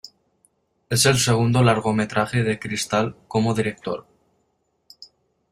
Es el segundo largometraje de Crystal como director.